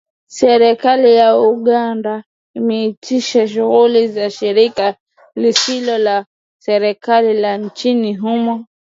Serikali ya Uganda imesitisha shughuli za shirika lisilo la kiserikali la nchini humo